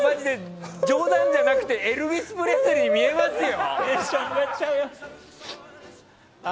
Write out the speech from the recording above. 冗談じゃなくて、マジでエルヴィス・プレスリーに見えますよ！